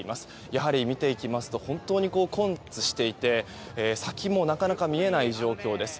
やはり見ていきますと本当に混雑していて先もなかなか見えない状況です。